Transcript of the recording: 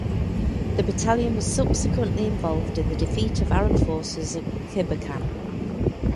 The battalion was subsequently involved in the defeat of Arab forces at Kirbekan.